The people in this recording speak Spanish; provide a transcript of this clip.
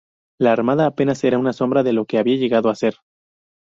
La armada apenas era una sombra de lo que había llegado a ser.